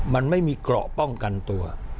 มันไม่มีเกราะป้องกันตัว